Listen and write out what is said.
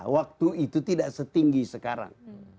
waktu itu tidak setinggi sekarang